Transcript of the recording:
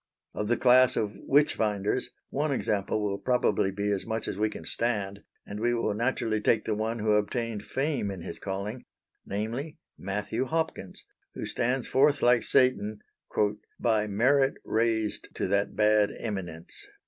Of the class of Witchfinders one example will probably be as much as we can stand, and we will naturally take the one who obtained fame in his calling namely Matthew Hopkins, who stands forth like Satan, "by merit raised to that bad eminence."